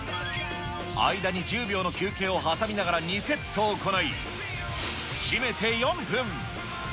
間に１０秒の休憩を挟みながら２セット行い、しめて４分。